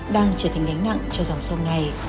đang trở thành ngánh nặng cho dòng sông này